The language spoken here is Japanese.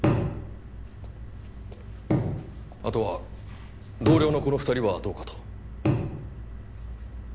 あとは同僚のこの２人はどうかと。